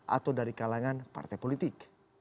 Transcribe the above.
atau dari kalangan partai politik